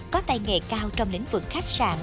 có tay nghề cao trong lĩnh vực khách sạn